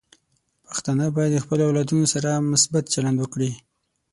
پښتانه بايد د خپلو اولادونو سره مثبت چلند وکړي.